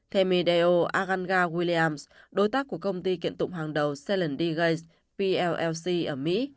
temideo agunga williams đối tác của công ty kiện tụng hàng đầu selen d gates ở mỹ